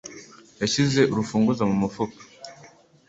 Yashyize urufunguzo mu mufuka.